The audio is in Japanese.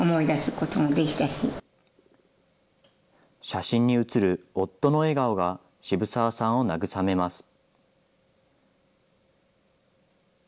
写真に写る夫の笑顔が、渋澤さんを慰めます。